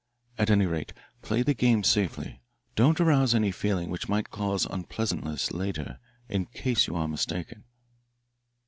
At any rate, play the game safely don't arouse any feeling which might cause unpleasantness later in case you are mistaken."